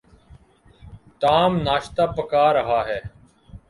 Tom ناشتہ پکھا رہا ہے۔